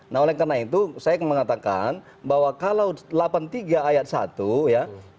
nah oleh karena itu saya mengatakan bahwa kalau delapan puluh tiga ayat satu ya